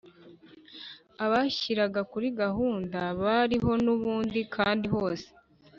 ababishyiraga kuri gahunda bariho n’ubu kandi hose